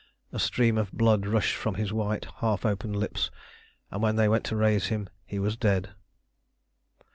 A stream of blood rushed from his white, half open lips, and when they went to raise him he was dead.